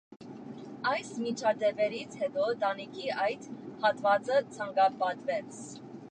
Այս միջադեպերից հետո տանիքի այդ հատվածը ցանկապատվեց։